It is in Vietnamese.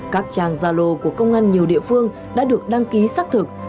các trang gia lô của công an nhiều địa phương đã được đăng ký xác thực